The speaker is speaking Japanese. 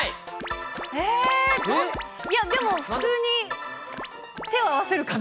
えー、でも普通に手を合わせるかな。